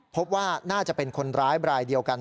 พบว่าน่าจะเป็นคนร้ายบรายเดียวกัน